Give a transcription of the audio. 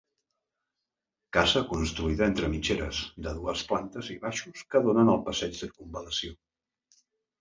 Casa construïda entre mitgeres, de dues plantes i baixos que donen al Passeig Circumval·lació.